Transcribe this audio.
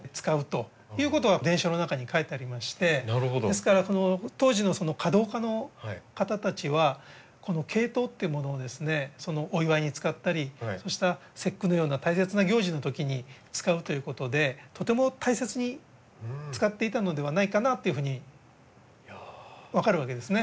ですから当時の華道家の方たちはこのケイトウっていうものをお祝いに使ったりそうした節句のような大切な行事のときに使うということでとても大切に使っていたのではないかなというふうに分かるわけですね。